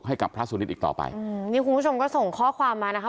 ให้กับพระสุนิทอีกต่อไปอืมนี่คุณผู้ชมก็ส่งข้อความมานะคะ